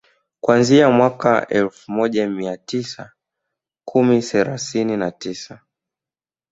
Kuanzia mwaka Elfu moja mia tisa kumi thelathini na tisa